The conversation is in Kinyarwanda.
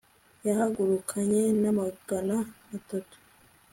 yahagurukanye n'amagana atatu